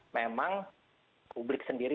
memang publik sendiri